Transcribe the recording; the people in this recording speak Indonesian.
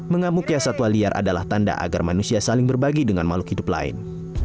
mengamuknya satwa liar adalah tanda agar manusia saling berbagi dengan makhluk hidup lain